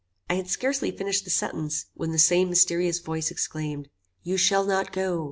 "I had scarcely finished the sentence, when the same mysterious voice exclaimed, "You shall not go.